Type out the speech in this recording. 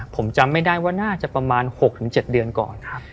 ผมจำไม่ได้ว่าน่าจะประมาณ๖๗เดือนก่อน